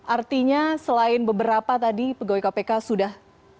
artinya selain beberapa tadi pegawai kpk sudah